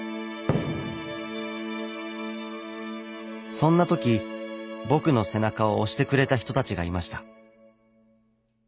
そんな時僕の背中を押してくれた人たちがいました。